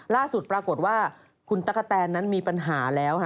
ล่าสุดปรากฏว่าคุณตั๊กกะแตนนั้นมีปัญหาแล้วค่ะ